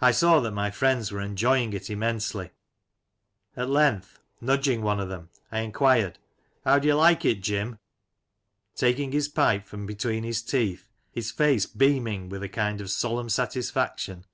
I saw that my friends were enjoying it immensely: at length, nudging one of them, I enquired, " How do you like it, Jim ?" Taking his pipe from between his teeth, his face beaming with a kind of solemn satisfaction.